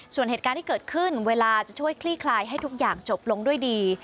ส่วนเหตุการณ์ที่เกิดขึ้นเวลาจะช่วยคลี่คลายให้ทุกอย่างจบลงด้วยดี